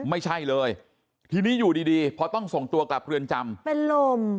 ไม่ใช่เลยทีนี้อยู่ดีดีพอต้องส่งตัวกลับเรือนจำเป็นลม